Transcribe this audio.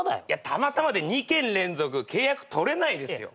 たまたまで２件連続契約取れないですよ。